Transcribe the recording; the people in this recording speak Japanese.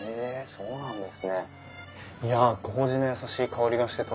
そうなんです。